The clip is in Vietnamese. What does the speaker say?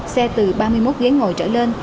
xe từ ba mươi một ghế ngồi trở lên